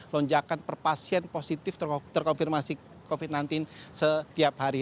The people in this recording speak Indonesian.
lonjakan per pasien positif terkonfirmasi covid sembilan belas setiap hari